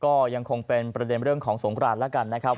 ก็ยังคงเป็นประเด็นเรื่องของสงครานแล้วกันนะครับ